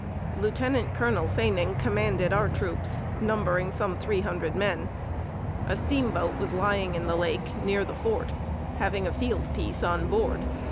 Lieutenant Colonel Faning commanded our troops, numbering some three hundred men. A steamboat was lying in the lake, near the fort, having a field piece on board.